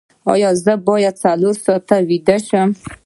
ایا زه باید څلور ساعته ویده شم؟